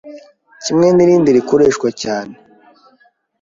kimwe n’rindi rikoreshwa cyane